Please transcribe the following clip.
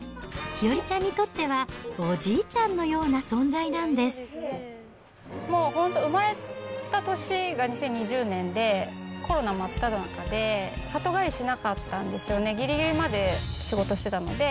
日和ちゃんにとっては、おじいちもう本当、生まれた年が２０２０年で、コロナ真っただ中で、里帰りしなかったんですよね、ぎりぎりまで仕事してたので。